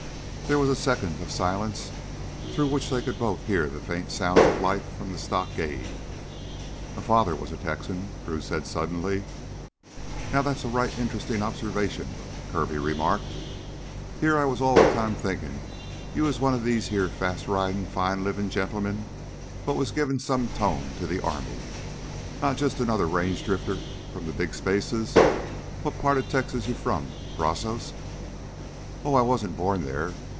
There was a second of silence through which they could both hear the faint sounds of life from the stockade. "M' father was a Texan," Drew said suddenly. "Now that's a right interestin' observation," Kirby remarked. "Heah I was all the time thinkin' you was one of these heah fast ridin', fine livin' gentlemen what was givin' some tone to the army. Not jus' 'nother range drifter from the big spaces. What part of Texas you from Brazos?" "Oh, I wasn't born there.